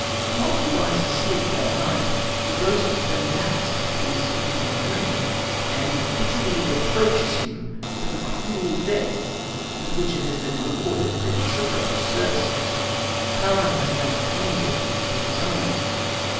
While he lies asleep that night, the ghost of the gnat appears to him in a dream, and bitterly reproaches him for the cruel death with which it has been rewarded for its heroic services. Charon has now claimed it for his own.